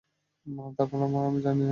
তারপর আর জানি না কী হয়েছিল।